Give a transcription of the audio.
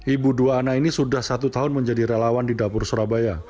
ibu dua anak ini sudah satu tahun menjadi relawan di dapur surabaya